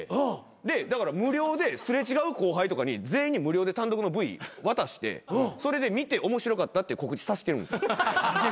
でだから無料で擦れ違う後輩とかに全員に無料で単独のＶ渡してそれで見て面白かったって告知させてるんです。